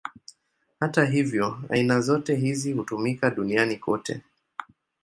Hata hivyo, aina zote hizi hutumika duniani kote.